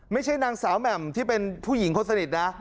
ไม่ใช่นางสาวแหม่มที่เป็นผู้หญิงคนสนิทนะ